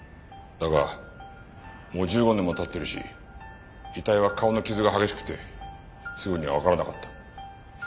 だがもう１５年も経ってるし遺体は顔の傷が激しくてすぐにはわからなかった。